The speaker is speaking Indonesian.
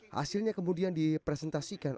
hasilnya kemudian dipresentasikan